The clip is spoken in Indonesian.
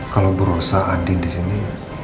kalau buruhsa andin disini